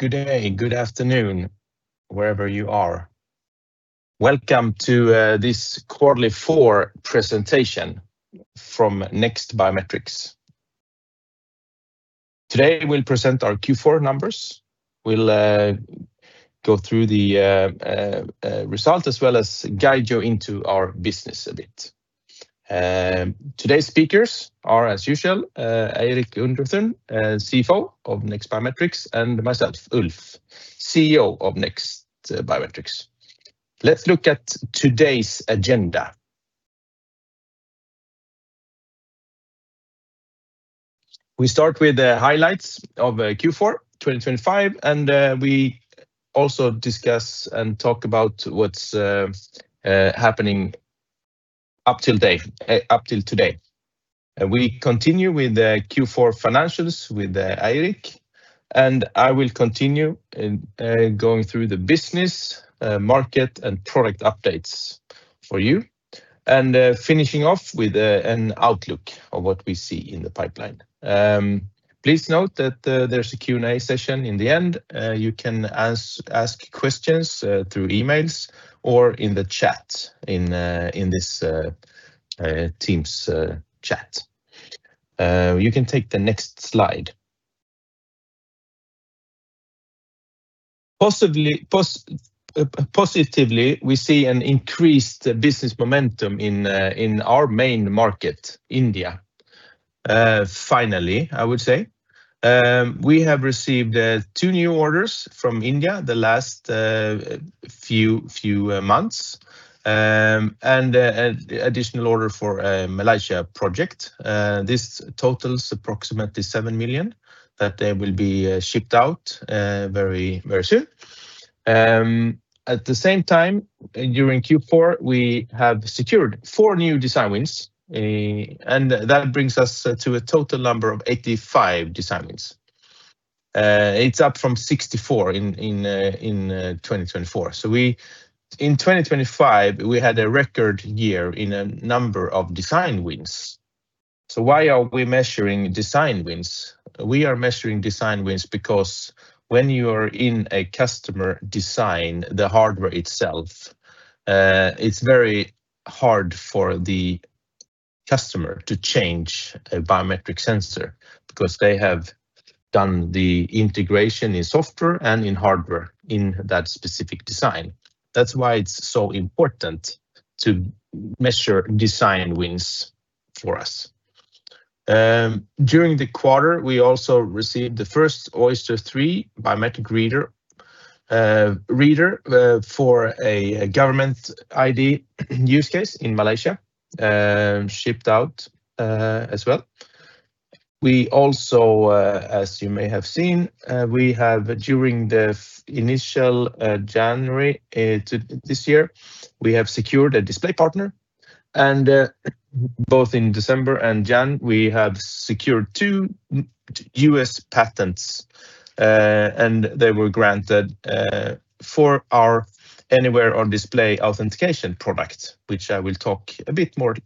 Good day. Good afternoon, wherever you are. Welcome to this Q4 presentation from NEXT Biometrics. Today, we'll present our Q4 numbers. We'll go through the results as well as guide you into our business a bit. Today's speakers are, as usual, Eirik Underthun, CFO of NEXT Biometrics, and myself, Ulf, CEO of NEXT Biometrics. Let's look at today's agenda. We start with the highlights of Q4 2025, and we also discuss and talk about what's happening up to date, up to today. We continue with the Q4 financials with Eirik, and I will continue in going through the business, market, and product updates for you, and finishing off with an outlook of what we see in the pipeline. Please note that there's a Q&A session in the end. You can ask questions through emails or in the chat in this Teams chat. You can take the next slide. Positively, we see an increased business momentum in our main market, India. Finally, I would say. We have received two new orders from India the last few months, and an additional order for a Malaysia project. This totals approximately 7 million that they will be shipped out very soon. At the same time, during Q4, we have secured four new design wins, and that brings us to a total number of 85 design wins. It's up from 64 in 2024. In 2025, we had a record year in a number of design wins. Why are we measuring design wins? We are measuring design wins because when you are in a customer design, the hardware itself, it's very hard for the customer to change a biometric sensor because they have done the integration in software and in hardware in that specific design. That's why it's so important to measure design wins for us. During the quarter, we also received the first Oyster III biometric reader for a government ID use case in Malaysia, shipped out as well. We also, as you may have seen, we have during the initial January to this year, we have secured a display partner. Both in December and January, we have secured two U.S. patents, and they were granted for our anywhere-on-display authentication product, which I will talk a bit more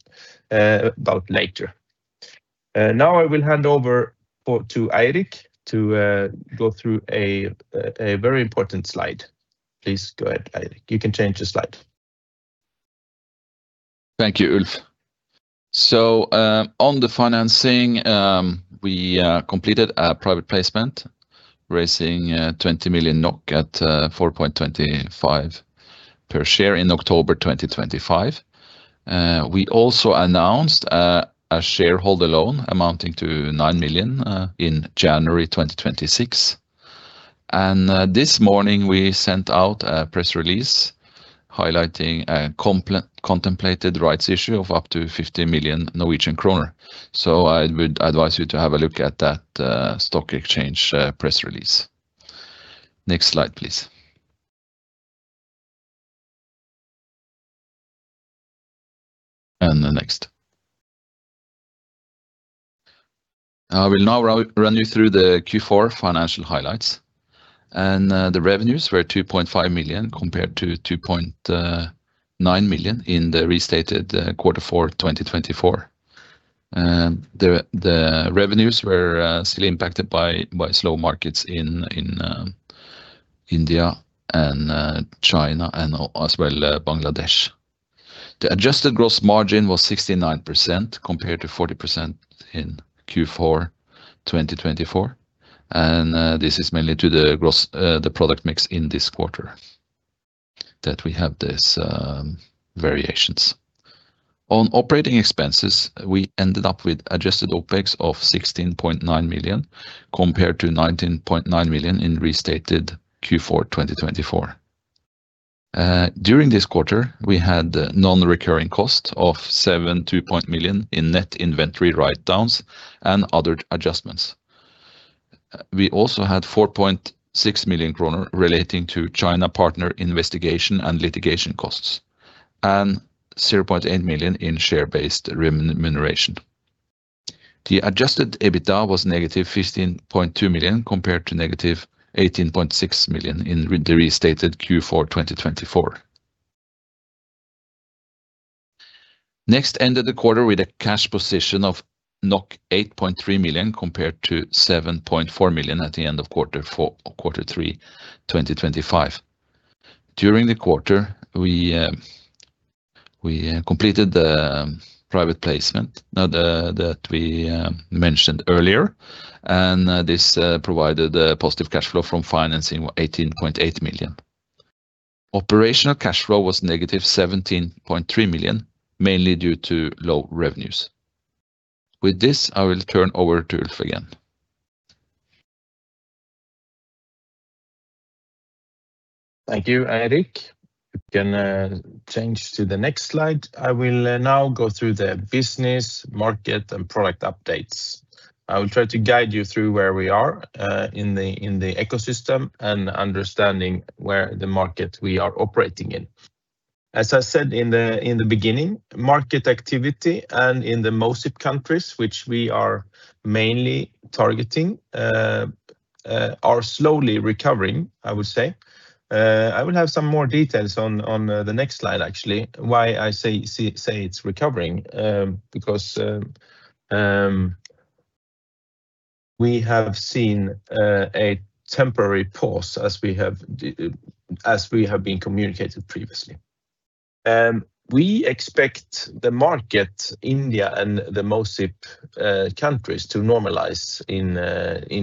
about later. Now I will hand over to Eirik to go through a very important slide. Please go ahead, Eirik. You can change the slide. Thank you, Ulf. On the financing, we completed a private placement, raising 20 million NOK at 4.25 per share in October 2025. We also announced a shareholder loan amounting to 9 million in January 2026. This morning we sent out a press release highlighting a contemplated rights issue of up to 50 million Norwegian kroner. I would advise you to have a look at that stock exchange press release. Next slide, please. The next. I will now run you through the Q4 financial highlights. The revenues were 2.5 million, compared to 2.9 million in the restated quarter for 2024. The revenues were still impacted by slow markets in India and China and as well, Bangladesh. The adjusted gross margin was 69%, compared to 40% in Q4 2024, and this is mainly due to the product mix in this quarter that we have these variations. On operating expenses, we ended up with adjusted OpEx of 16.9 million, compared to 19.9 million in restated Q4 2024. During this quarter, we had non-recurring cost of 7.2 million in net inventory write-downs and other adjustments. We also had 4.6 million kroner relating to China partner investigation and litigation costs and 0.8 million in share-based remuneration. The adjusted EBITDA was negative 15.2 million, compared to negative 18.6 million in the restated Q4 2024. We ended the quarter with a cash position of 8.3 million compared to 7.4 million at the end of quarter three, 2024. During the quarter, we completed the private placement that we mentioned earlier, and this provided a positive cash flow from financing 18.8 million. Operational cash flow was negative 17.3 million, mainly due to low revenues. With this, I will turn over to Ulf again. Thank you, Eirik. You can change to the next slide. I will now go through the business, market, and product updates. I will try to guide you through where we are in the ecosystem and understanding where the market we are operating in. As I said in the beginning, market activity and in the MOSIP countries, which we are mainly targeting, are slowly recovering, I would say. I will have some more details on the next slide, actually, why I say it's recovering, because we have seen a temporary pause as we have been communicated previously. We expect the market, India and the MOSIP countries to normalize in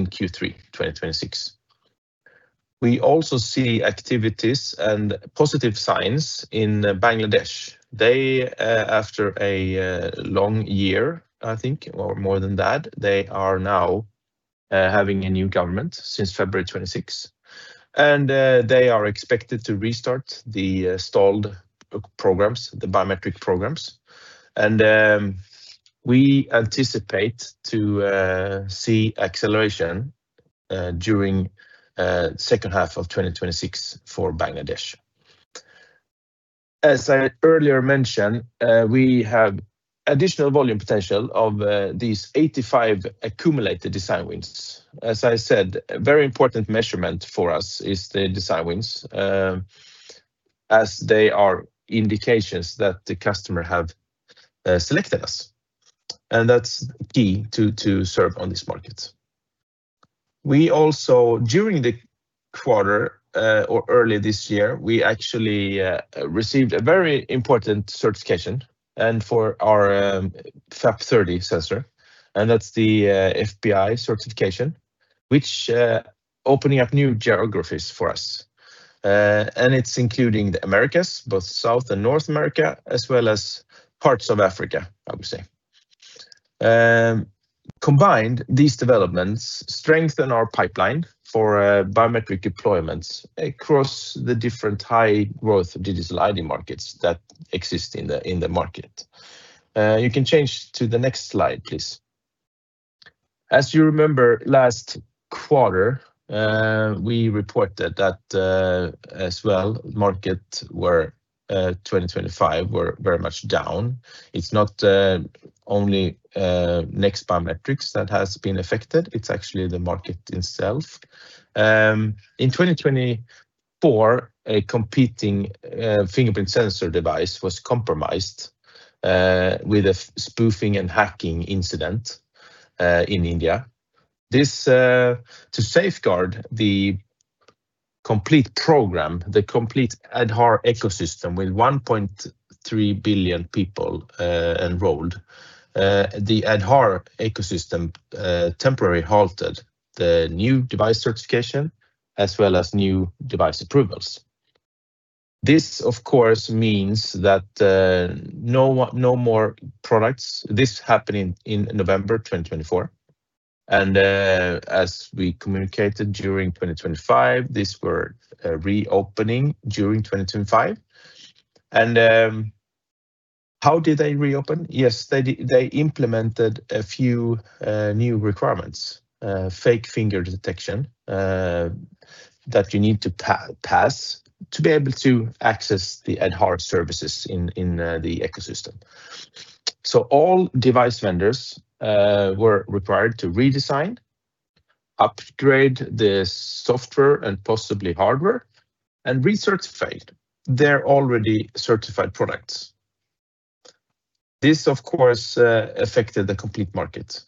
Q3 2026. We also see activities and positive signs in Bangladesh. They, after a long year, I think, or more than that, they are now having a new government since February 2026, and they are expected to restart the stalled programs, the biometric programs. We anticipate to see acceleration during second half of 2026 for Bangladesh. As I earlier mentioned, we have additional volume potential of these 85 accumulated design wins. As I said, a very important measurement for us is the design wins, as they are indications that the customer have selected us, and that's key to serve on this market. We also during the quarter, or early this year, we actually received a very important certification and for our FAP 30 sensor, and that's the FBI certification, which opening up new geographies for us. It's including the Americas, both South and North America, as well as parts of Africa, I would say. Combined, these developments strengthen our pipeline for biometric deployments across the different high-growth digital ID markets that exist in the market. You can change to the next slide, please. As you remember, last quarter, we reported that as well, markets were 2025 very much down. It's not only NEXT Biometrics that has been affected, it's actually the market itself. In 2024, a competing fingerprint sensor device was compromised with a spoofing and hacking incident in India. This, to safeguard the complete program, the complete Aadhaar ecosystem with 1.3 billion people enrolled, the Aadhaar ecosystem temporarily halted the new device certification as well as new device approvals. This of course means that no more products. This happened in November 2024. As we communicated during 2025, these were reopening during 2025. How did they reopen? Yes, they implemented a few new requirements, fake finger detection, that you need to pass to be able to access the Aadhaar services in the ecosystem. All device vendors were required to redesign, upgrade the software and possibly hardware, and recertify their already certified products. This of course affected the complete market.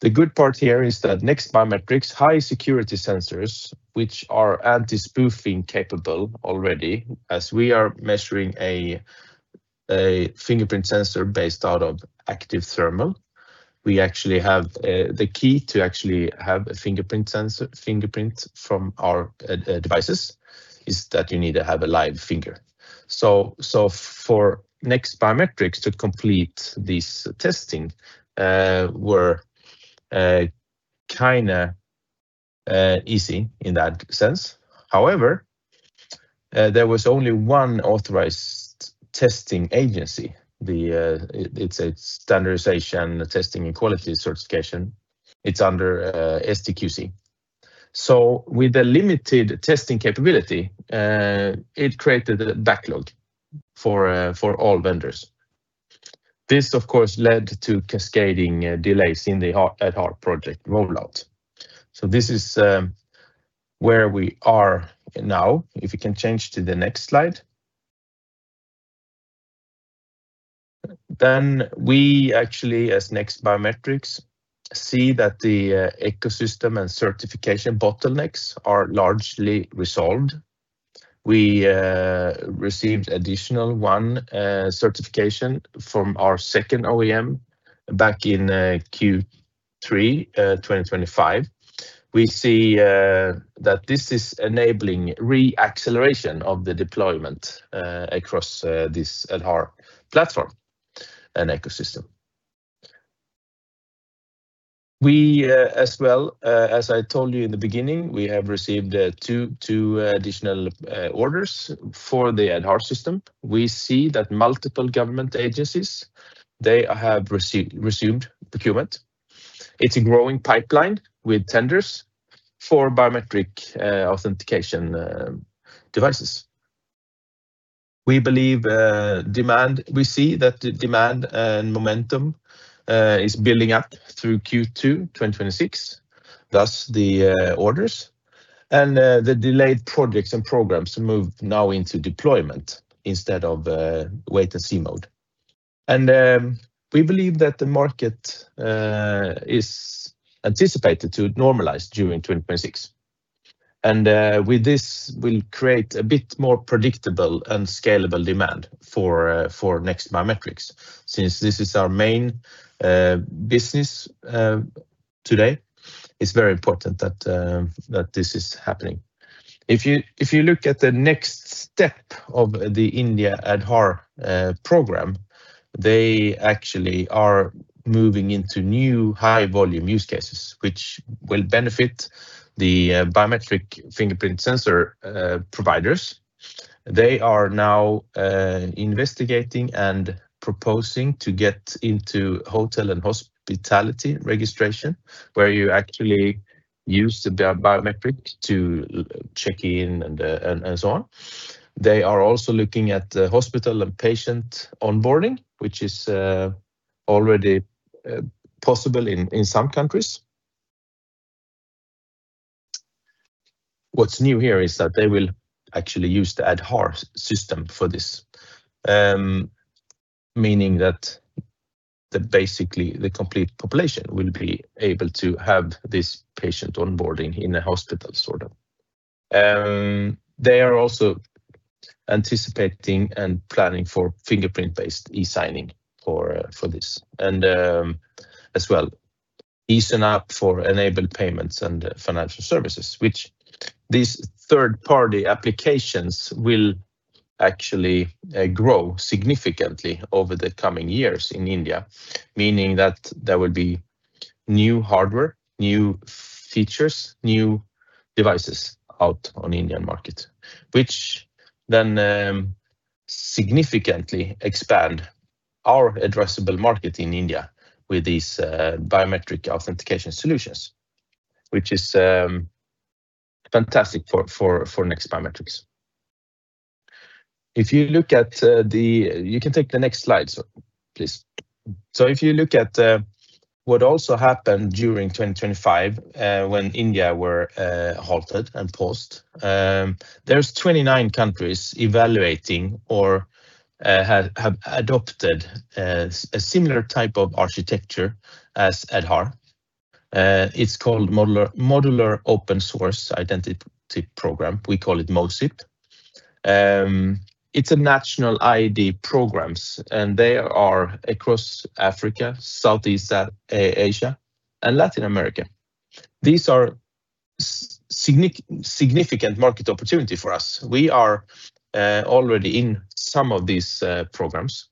The good part here is that NEXT Biometrics' high security sensors, which are anti-spoofing capable already, as we are measuring a fingerprint sensor based on Active Thermal. We actually have the key to actually have a fingerprint sensor fingerprint from our devices is that you need to have a live finger. So for NEXT Biometrics to complete this testing, we're kinda easy in that sense. However, there was only one authorized testing agency. It's a standardization testing and quality certification. It's under STQC. So with the limited testing capability, it created a backlog for all vendors. This of course led to cascading delays in the Aadhaar project rollout. This is where we are now. If you can change to the next slide. We actually as NEXT Biometrics see that the ecosystem and certification bottlenecks are largely resolved. We received additional one certification from our second OEM back in Q3 2025. We see that this is enabling re-acceleration of the deployment across this Aadhaar platform and ecosystem. We as well, as I told you in the beginning, we have received two additional orders for the Aadhaar system. We see that multiple government agencies they have received procurement. It's a growing pipeline with tenders for biometric authentication devices. We see that the demand and momentum is building up through Q2 2026, thus the orders. The delayed projects and programs move now into deployment instead of wait-and-see mode. We believe that the market is anticipated to normalize during 2026. With this will create a bit more predictable and scalable demand for NEXT Biometrics since this is our main business today. It's very important that this is happening. If you look at the next step of the Indian Aadhaar program, they actually are moving into new high volume use cases which will benefit the biometric fingerprint sensor providers. They are now investigating and proposing to get into hotel and hospitality registration, where you actually use the biometric to check in and so on. They are also looking at hospital and patient onboarding, which is already possible in some countries. What's new here is that they will actually use the Aadhaar system for this, meaning that basically the complete population will be able to have this patient onboarding in a hospital sort of. They are also anticipating and planning for fingerprint-based e-signing for this and as well as enabling payments and financial services which these third-party applications will actually grow significantly over the coming years in India, meaning that there will be new hardware, new features, new devices out in the Indian market, which then significantly expand our addressable market in India with these biometric authentication solutions, which is fantastic for NEXT Biometrics. You can take the next slide, sir, please. If you look at what also happened during 2025, when India were halted and paused, there's 29 countries evaluating or have adopted a similar type of architecture as Aadhaar. It's called Modular Open Source Identity Platform. We call it MOSIP. It's national ID programs, and they are across Africa, Southeast Asia and Latin America. These are significant market opportunity for us. We are already in some of these programs.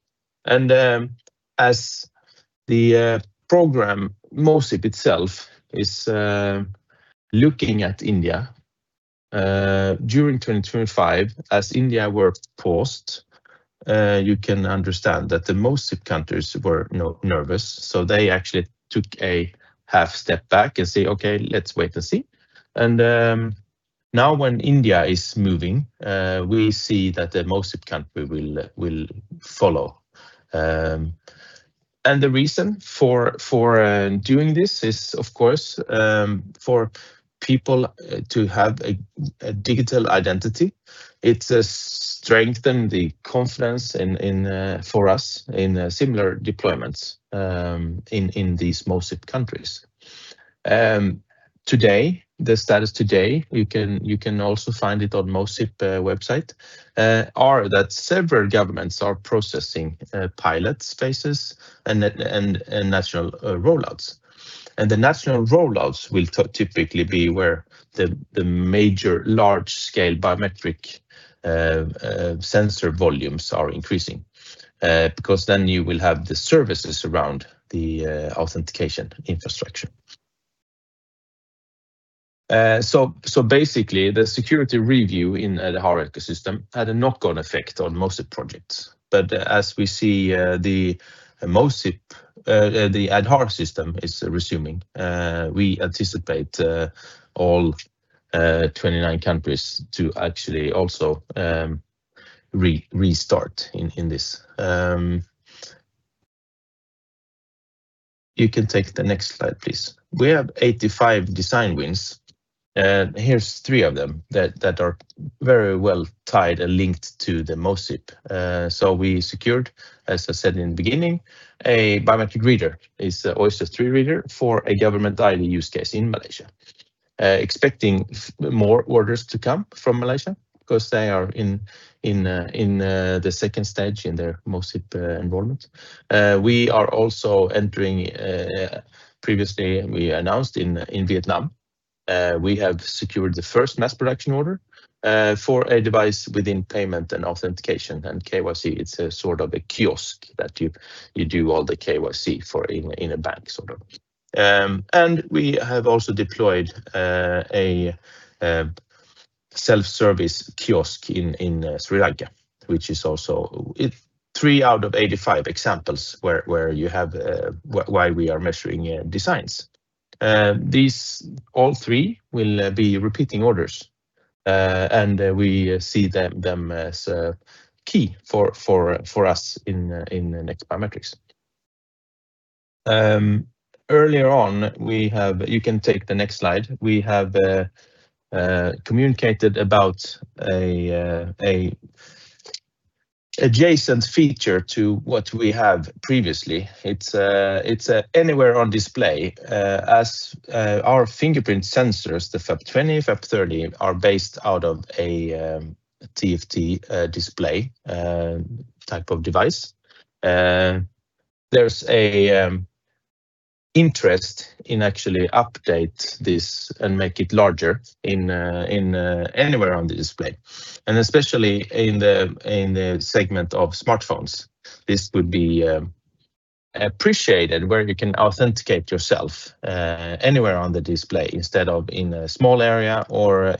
As the program MOSIP itself is looking at India during 2025 as India was paused, you can understand that the MOSIP countries were nervous. They actually took a half step back and said, "Okay, let's wait and see." Now when India is moving, we see that the MOSIP countries will follow. The reason for doing this is of course for people to have a digital identity. It strengthens the confidence in for us in similar deployments in these MOSIP countries. Today, the status today you can also find it on MOSIP website that several governments are processing pilot phases and national rollouts. The national rollouts will typically be where the major large scale biometric sensor volumes are increasing because then you will have the services around the authentication infrastructure. Basically the security review in Aadhaar ecosystem had a knock-on effect on most projects. As we see the MOSIP the Aadhaar system is resuming we anticipate all 29 countries to actually also restart in this. You can take the next slide, please. We have 85 design wins, and here's three of them that are very well tied and linked to the MOSIP. We secured, as I said in the beginning, a biometric reader. It's an Oyster III reader for a government ID use case in Malaysia. Expecting more orders to come from Malaysia 'cause they are in the second stage in their MOSIP enrollment. We are also entering. Previously we announced in Vietnam we have secured the first mass production order for a device within payment and authentication and KYC. It's a sort of a kiosk that you do all the KYC for in a bank, sort of. We have also deployed a self-service kiosk in Sri Lanka, which is also three out of 85 examples where you have why we are measuring designs. These all three will be repeating orders. We see them as key for us in NEXT Biometrics. Earlier on, you can take the next slide. We have communicated about a adjacent feature to what we have previously. It's anywhere on display. As our fingerprint sensors, the FAP 20, FAP 30 are based out of a TFT display type of device. There's a interest in actually update this and make it larger in anywhere on the display. Especially in the segment of smartphones, this would be appreciated where you can authenticate yourself anywhere on the display instead of in a small area or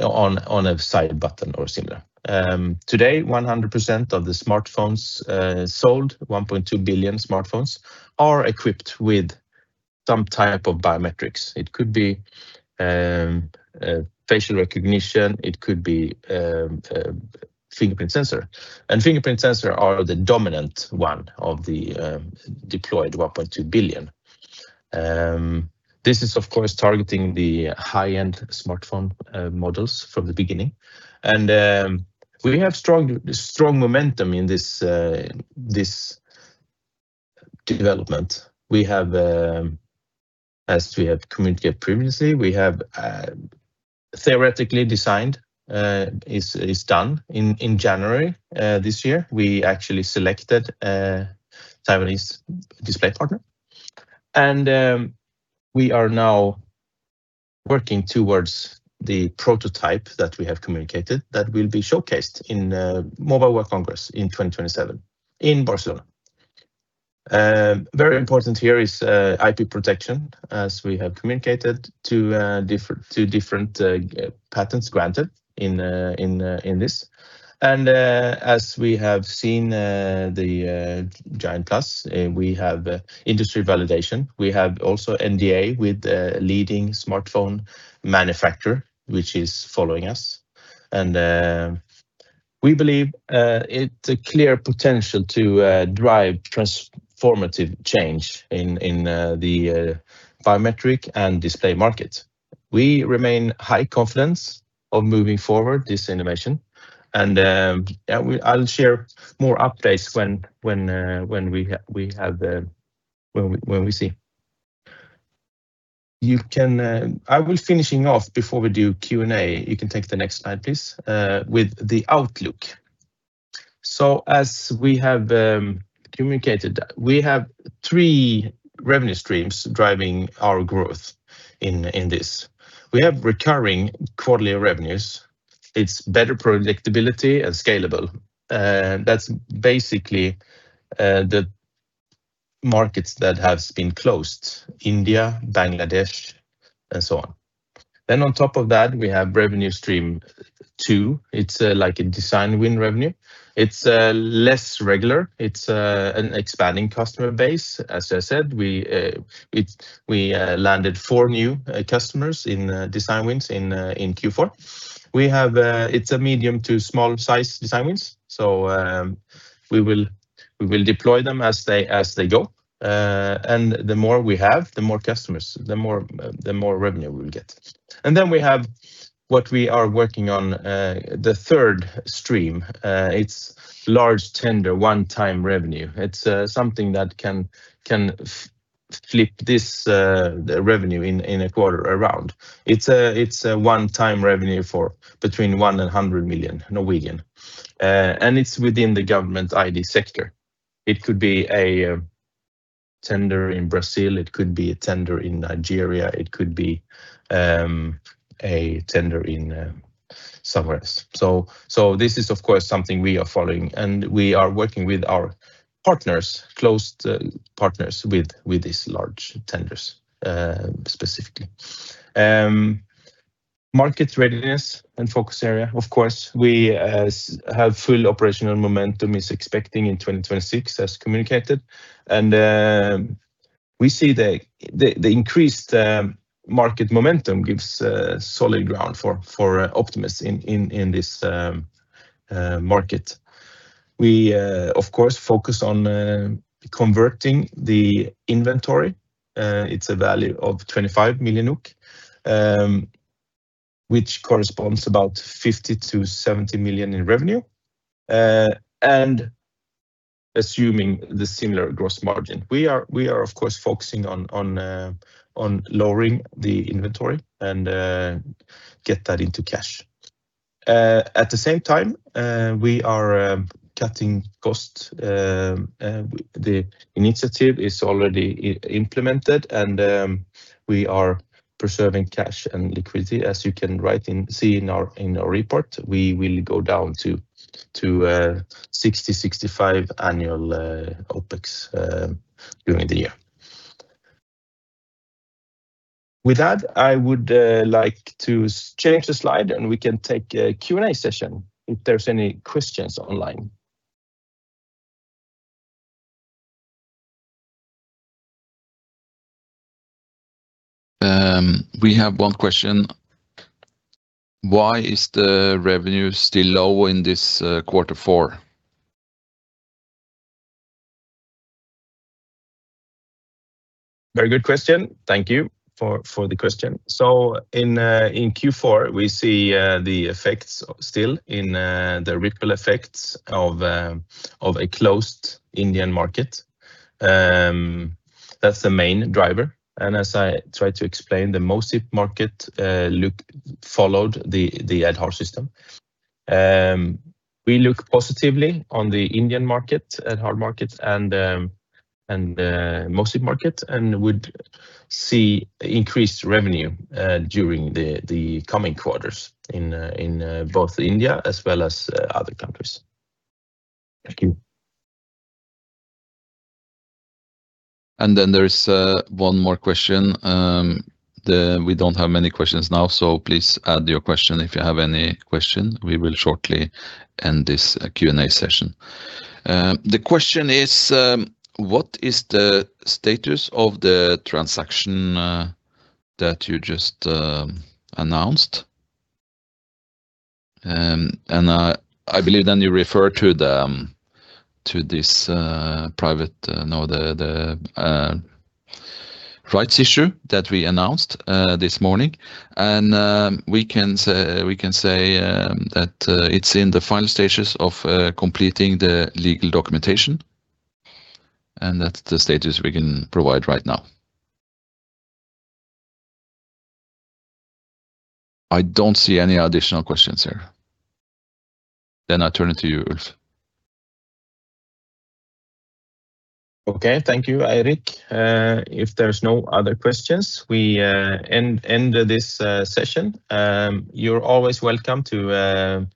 on a side button or similar. Today, 100% of the smartphones sold, 1.2 billion smartphones are equipped with some type of biometrics. It could be facial recognition, it could be a fingerprint sensor. Fingerprint sensor are the dominant one of the deployed 1.2 billion. This is, of course, targeting the high-end smartphone models from the beginning. We have strong momentum in this development. We have, as we have communicated previously, theoretical design is done in January this year. We actually selected a Taiwanese display partner. We are now working towards the prototype that we have communicated that will be showcased in Mobile World Congress in 2027 in Barcelona. Very important here is IP protection as we have communicated two different patents granted in this. As we have seen, the Giantplus, we have industry validation. We have also NDA with a leading smartphone manufacturer, which is following us. We believe it's a clear potential to drive transformative change in the biometric and display market. We remain high confidence of moving forward this innovation. I'll share more updates when we have when we see. You can take the next slide, please, with the outlook. As we have communicated, we have three revenue streams driving our growth in this. We have recurring quarterly revenues. It's better predictability and scalable. That's basically the markets that has been closed, India, Bangladesh, and so on. On top of that, we have revenue stream two. It's like a design win revenue. It's less regular. It's an expanding customer base. As I said, we landed four new customers in design wins in Q4. We have. It's a medium to small size design wins, so we will deploy them as they go. The more we have, the more customers, the more revenue we'll get. We have what we are working on, the third stream. It's large tender one-time revenue. It's something that can flip this revenue in a quarter around. It's a one-time revenue for between 1 million and 100 million. It's within the government ID sector. It could be a tender in Brazil, it could be a tender in Nigeria, it could be a tender in somewhere else. This is, of course, something we are following, and we are working with our partners, close partners with these large tenders, specifically. Market readiness and focus area. Of course, we have full operational momentum expected in 2026 as communicated, and we see the increased market momentum gives solid ground for optimism in this market. We, of course, focus on converting the inventory. It's a value of 25 million NOK, which corresponds about 50 million to 70 million in revenue. Assuming the similar gross margin. We are, of course, focusing on lowering the inventory and get that into cash. At the same time, we are cutting costs. The initiative is already implemented, and we are preserving cash and liquidity. As you can see in our report, we will go down to 60 million-65 million annual OpEx during the year. With that, I would like to change the slide, and we can take a Q&A session if there's any questions online. We have one question. Why is the revenue still low in this quarter four? Very good question. Thank you for the question. In Q4, we see the effects still in the ripple effects of a closed Indian market. That's the main driver. As I try to explain, the MOSIP market also followed the Aadhaar system. We look positively on the Indian market, Aadhaar market, and MOSIP market and would see increased revenue during the coming quarters in both India as well as other countries. Thank you. Then there is one more question. We don't have many questions now, so please add your question if you have any question. We will shortly end this Q&A session. The question is, what is the status of the transaction that you just announced? I believe you refer to the rights issue that we announced this morning. We can say that it's in the final stages of completing the legal documentation, and that's the status we can provide right now. I don't see any additional questions here. I turn it to you, Ulf. Okay. Thank you, Eirik. If there's no other questions, we end this session. You're always welcome to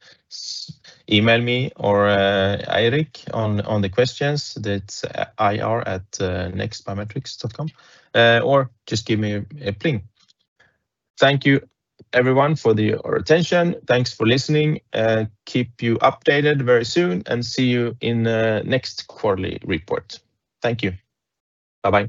email me or Eirik on the questions. That's IR at nextbiometrics.com, or just give me a ping. Thank you everyone for your attention. Thanks for listening, and keep you updated very soon, and see you in the next quarterly report. Thank you. Bye-bye.